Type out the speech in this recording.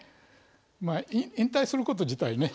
まあ引退すること自体ね